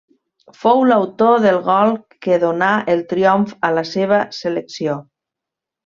Fou l'autor del gol que donà el triomf a la seva selecció.